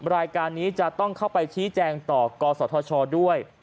รายการนี้จะต้องเข้าไปชี้แจงต่อกศธชด้วย